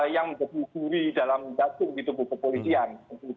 yang berguguri dalam gatung di kubu kepolisian